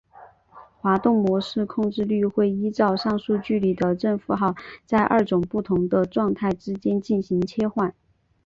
滑动模式控制律会依照上述距离的正负号在二种不同的状态之间进行切换。